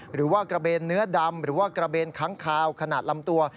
หรือว่ากระเบนเนื้อดำหรือว่ากระเบนค้างคาวขนาดลำตัว